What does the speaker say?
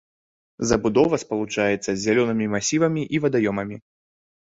Забудова спалучаецца з зялёнымі масівамі і вадаёмамі.